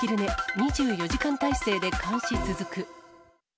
２４時間態勢で監視続く。